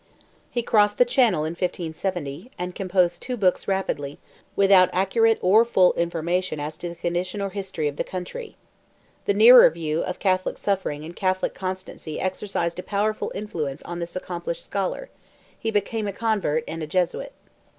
He crossed the Channel in 1570, and composed two books rapidly, without accurate or full information as to the condition or history of the country. The nearer view of Catholic suffering and Catholic constancy exercised a powerful influence on this accomplished scholar; he became a convert and a Jesuit.